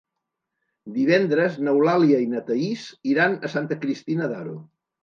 Divendres n'Eulàlia i na Thaís iran a Santa Cristina d'Aro.